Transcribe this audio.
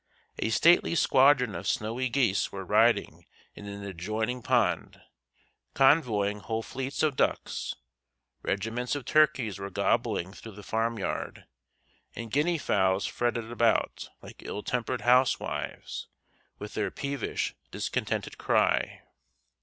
A stately squadron of snowy geese were riding in an adjoining pond, convoying whole fleets of ducks; regiments of turkeys were gobbling through the farmyard, and guinea fowls fretting about it, like ill tempered housewives, with their peevish, discontented cry.